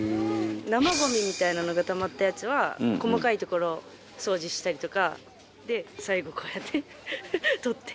生ゴミみたいなのがたまったやつは細かいところ掃除したりとか最後こうやって取ってゴミ箱へ捨てます。